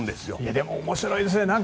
でも面白いですね。